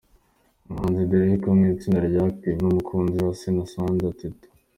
Umuhanzi Derek wo mu itsinda rya Active n’umukunzi we Miss Sandra Teta.